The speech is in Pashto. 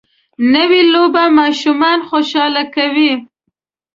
نوې لوبه ماشومان خوشحاله کوي